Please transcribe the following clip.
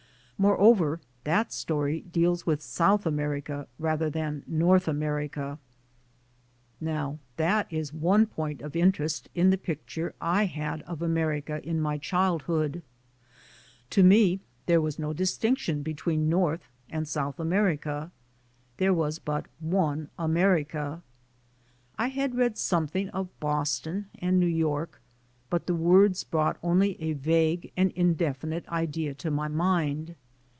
Moreover, that story deals with South America rather than North Amer ica. Now that is one point of interest in the picture I had of America in my childhood; to me there was no distinction between North and South America. There was but one America. I had read something of Boston and New York, but the words brought only a vague and indefinite idea to my mind.